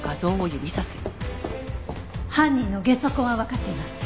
犯人のゲソ痕はわかっています。